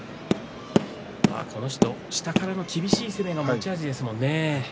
この人は下からの厳しい攻めが持ち味ですね。